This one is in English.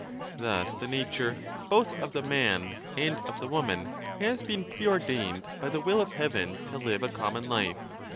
Thus the nature both of the man and of the woman has been preordained by the will of heaven to live a common life.